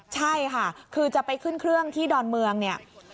ใช่ค่ะคือจะไปขึ้นเครื่องที่ดอนเมืองเนี่ย